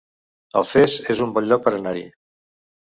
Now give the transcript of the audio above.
Alfés es un bon lloc per anar-hi